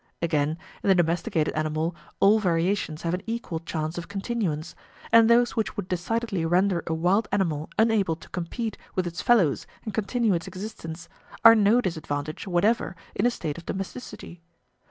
Again, in the domesticated animal all variations have an equal chance of continuance; and those which would decidedly render a wild animal unable to compete with its fellows and continue its existence are no disadvantage whatever in a state of domesticity.